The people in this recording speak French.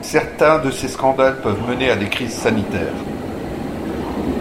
Certains de ces scandales peuvent mener à des crises sanitaires.